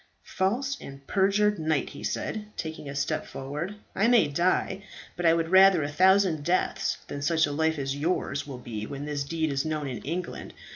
"False and perjured knight," he said, taking a step forward, "I may die; but I would rather a thousand deaths than such a life as yours will be when this deed is known in England.